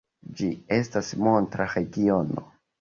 Ĝi estas monta regiono.